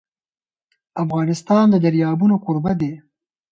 افغانستان د دریابونه کوربه دی.